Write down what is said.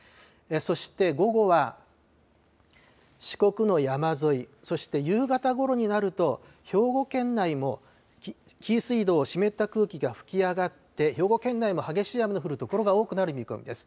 そして午後は四国の山沿い、そして夕方ごろになると、兵庫県内も紀伊水道を湿った空気が吹き上がって、兵庫県内も激しい雨の降る所が多くなる見込みです。